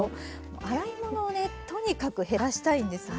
洗い物をねとにかく減らしたいんですね。